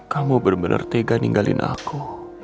kamu bener bener tega ninggalin aku